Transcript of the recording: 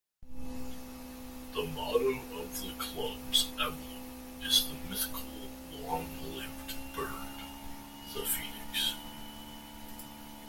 The motto of the club's emblem is the mythical long-lived bird, the Phoenix.